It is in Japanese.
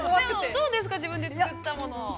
◆どうですか、自分で作ったもの。